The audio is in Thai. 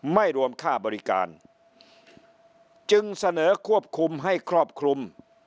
ไม่รวมค่าบริการจึงเสนอควบคุมให้ครอบคลุม